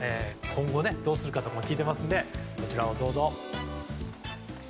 今後どうするかとかも聞いてますのでこちらをどうぞ。